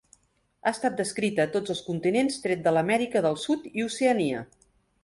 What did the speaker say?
Ha estat descrita a tots els continents tret de l'Amèrica del Sud i Oceania.